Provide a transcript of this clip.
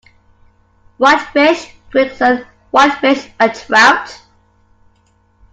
Whitefish, Gregson, whitefish and trout.